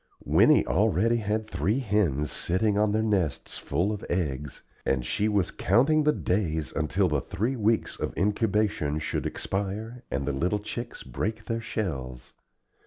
Winnie already had three hens sitting on their nests full of eggs, and she was counting the days until the three weeks of incubation should expire, and the little chicks break their shells.